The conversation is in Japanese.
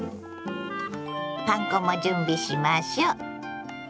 パン粉も準備しましょう。